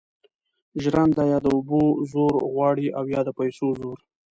ژرنده یا د اوبو زور غواړي او یا د پیسو زور.